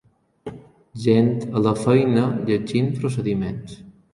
Gent a la feina llegint procediments.